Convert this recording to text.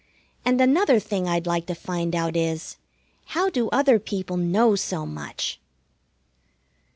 And another thing I'd like to find out is, How do other people know so much?